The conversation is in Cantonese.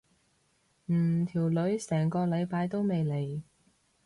唔條女成個禮拜都未嚟。